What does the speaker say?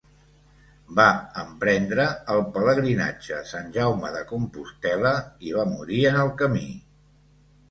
Va emprendre el pelegrinatge a Sant Jaume de Compostel·la i va morir en el camí.